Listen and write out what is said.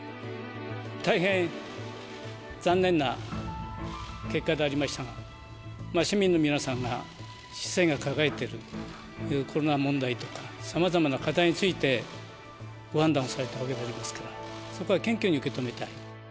大変残念な結果でありましたが、市民の皆さんが、市政が抱えているコロナ問題とか、さまざまな課題についてご判断をされたわけでありますから、そこは謙虚に受け止めたい。